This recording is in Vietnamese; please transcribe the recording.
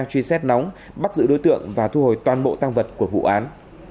truy xét nóng bắt giữ đối tượng và thu hồi toàn bộ tăng vật của vụ án